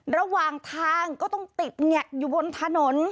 ระหว่างทางก็ต้องติดแงะอยู่บนถนน